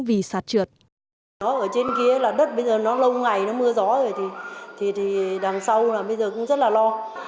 nó ở trên kia là đất bây giờ nó lâu ngày nó mưa gió rồi thì thì thì đằng sau là bây giờ cũng rất là lo